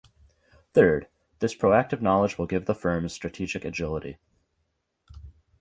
Third, this proactive knowledge will give the firms strategic agility.